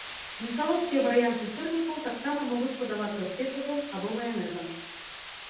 Несалодкія варыянты сырнікаў таксама могуць падавацца з кетчупам або маянэзам.